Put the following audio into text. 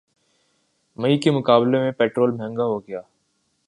مئی کے مقابلے میں پٹرول مہنگا ہوگیا